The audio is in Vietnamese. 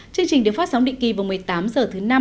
chương trình được phát sóng định kỳ vào một mươi tám h thứ năm